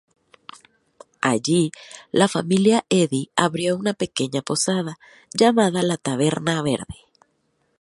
Allí, la familia Eddy abrió una pequeña posada, llamada la Taberna Verde.